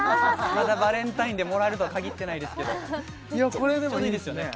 まだバレンタインでもらえるとはかぎってないですけどちょうどいいですよね